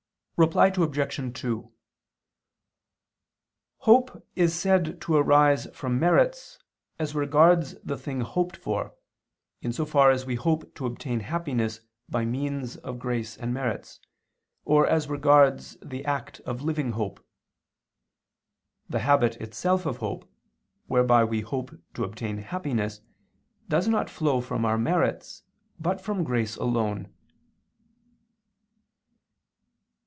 Reply Obj. 2: Hope is said to arise from merits, as regards the thing hoped for, in so far as we hope to obtain happiness by means of grace and merits; or as regards the act of living hope. The habit itself of hope, whereby we hope to obtain happiness, does not flow from our merits, but from grace alone.